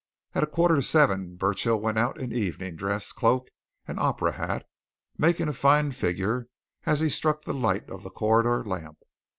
At a quarter to seven Burchill went out in evening dress, cloak, and opera hat, making a fine figure as he struck the light of the corridor lamp.